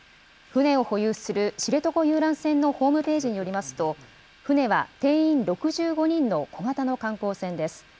船を保有する知床遊覧船のホームページによりますと、船は定員６５人の小型の観光船です。